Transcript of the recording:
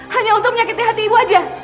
hanya untuk menyakiti hati ibu aja